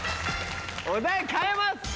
お題変えます！